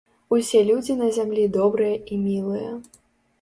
Усе людзі на зямлі добрыя і мілыя.